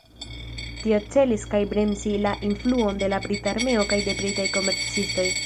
Tio celis kaj bremsi la influon de la brita armeo kaj de britaj komercistoj.